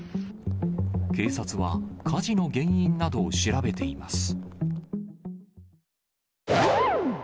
警察は、火事の原因などを調べています。